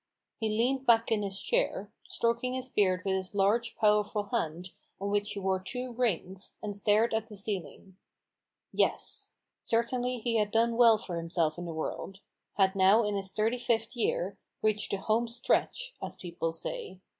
He leaned back in his chair, stroking his beard with his large, powerful hand, on which he wore two rings, and stared at the ceiling. Yes ! certainly he had done well for himself in the world ; had now, in his thirty fifth year, reached the "home stretch," as people say.